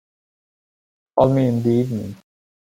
Call me in the evening.